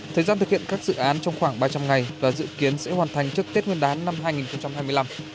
thời gian thực hiện các dự án trong khoảng ba trăm linh ngày và dự kiến sẽ hoàn thành trước tết nguyên đán năm hai nghìn hai mươi năm